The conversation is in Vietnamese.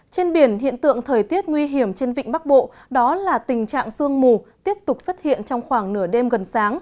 trên biển hiện tượng thời tiết nguy hiểm trên vịnh bắc bộ đó là tình trạng sương mù tiếp tục xuất hiện trong khoảng nửa đêm gần sáng